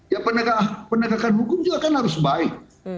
ya penegakan hukum juga kan harus baik